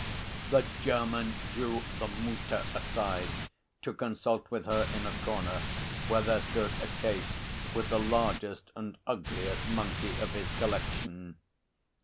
The German drew the Mutter aside to consult with her in a corner where there stood a case with the largest and ugliest monkey of his collection.